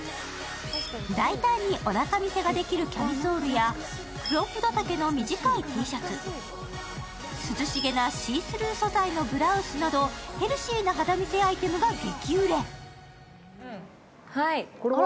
大胆におなか見せができるキャミソールやクロップド丈の短いＴシャツ、涼しげなシースルー素材のブラウスなどヘルシーな肌見せアイテムが激売れ。